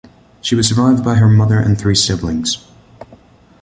She was survived by her mother and three siblings.